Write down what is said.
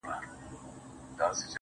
هغه د ساه کښلو لپاره جادوگري غواړي.